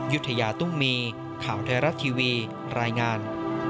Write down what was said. ยุธยาตุ้มมีข่าวไทยรัฐทีวีรายงาน